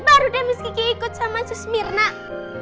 baru deh miski ikut sama susmir nak